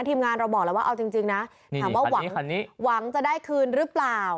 ทีมงานเราบอกแล้วว่าเอาจริงนะถามว่าหวังจะได้คืนหรือเปล่า